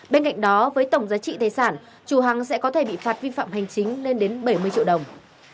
bên cạnh đó với tổng giá trị tài sản chủ hàng sẽ có thể bị phạt vi phạm hành chính lên đến bảy mươi triệu đồng